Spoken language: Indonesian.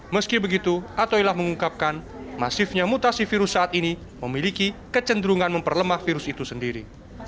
meski begitu atoilah mengungkapkan masifnya mutasi virus saat ini memiliki kecenderungan memperlemah virus itu sendiri